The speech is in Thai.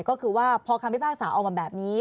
ก็คือว่าพอคำพิพากษาออกมาแบบนี้